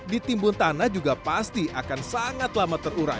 ditimbun tanah juga pasti akan sangat lama terurai